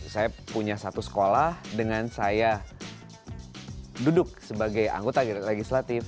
saya punya satu sekolah dengan saya duduk sebagai anggota legislatif